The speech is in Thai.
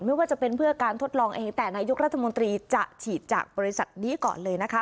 ไม่ว่าจะเป็นเพื่อการทดลองเองแต่นายกรัฐมนตรีจะฉีดจากบริษัทนี้ก่อนเลยนะคะ